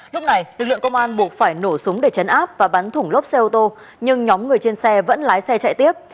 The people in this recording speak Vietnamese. lúc này lực lượng công an buộc phải nổ súng để chấn áp và bắn thủng lốp xe ô tô nhưng nhóm người trên xe vẫn lái xe chạy tiếp